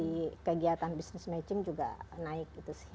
yang berpartisipasi di kegiatan business matching juga naik gitu sih